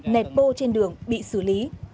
nẹt bô trên đường bị xử lý